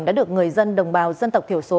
đã được người dân đồng bào dân tộc thiểu số